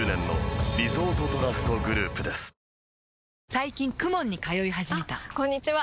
最近 ＫＵＭＯＮ に通い始めたあこんにちは！